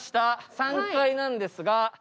３階なんですが。